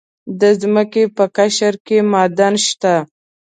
د ځمکې په قشر کې معادن شته.